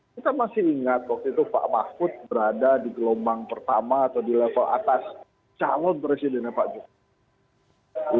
kita masih ingat waktu itu pak mahfud berada di gelombang pertama atau di level atas calon presidennya pak jokowi